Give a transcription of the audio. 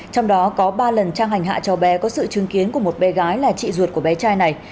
trong đó có ba lần trang hành hạ cho bé có sự chứng kiến của một bé gái là chị ruột của bé trai này